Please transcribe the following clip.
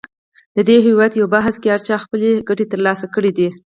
د دې هویت پر بحث کې هر چا خپلې ګټې تر لاسه کړې دي.